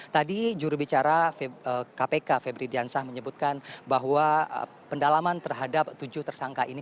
tadi jurubicara kpk febri diansah menyebutkan bahwa pendalaman terhadap tujuh tersangka ini